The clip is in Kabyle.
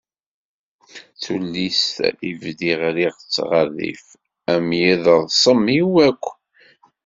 D tullist i d-bdiɣ rriɣ-tt ɣer rrif am yiḍrsen-iw akk.